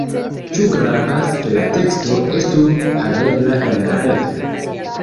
Ĉu gravas, ke la teksto estu havebla en la reto?